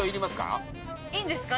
いいんですか？